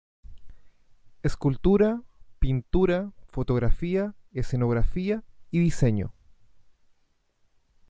Escultura, pintura, fotografía, escenografía y diseño.